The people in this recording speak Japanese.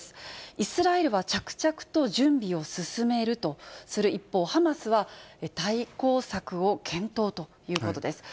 イスラエルは着々と準備を進めるとする一方、ハマスは対抗策を検討ということです。